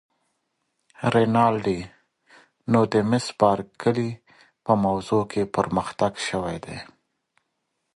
رینالډي: نو د مس بارکلي په موضوع کې پرمختګ شوی دی؟